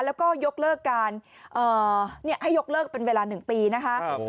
แล้วก็ยกเลิกการให้ยกเลิกเป็นเวลา๑ปีนะคะ